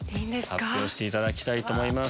発表していただきたいと思います。